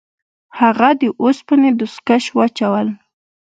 هغه د اوسپنې دستکش واچول.